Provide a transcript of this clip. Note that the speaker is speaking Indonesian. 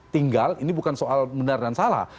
tinggal ini bukan soal benar dan salah